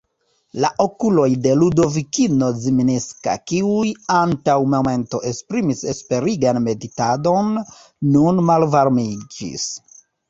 La okuloj de Ludovikino Zminska, kiuj antaŭ momento esprimis esperigan meditadon, nun malvarmiĝis.